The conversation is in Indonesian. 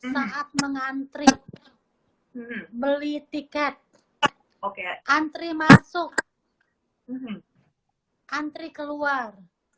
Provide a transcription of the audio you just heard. saat mengantri beli tiket antri masuk antri keluar